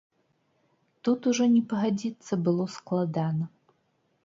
Тут ужо не пагадзіцца было складана.